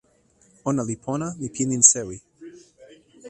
ona li pona li pilin sewi.